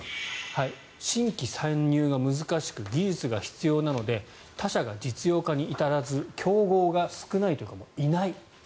新規参入が難しく技術が必要なので他社が実用化に至らず競合が少ないというかもういない。